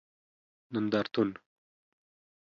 نندارتون